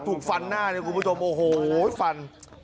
ถูกฟันหน้าเนี่ยคุณผู้ชมโอ้โหฟัน